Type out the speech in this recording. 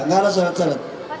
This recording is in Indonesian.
nggak ada syarat syarat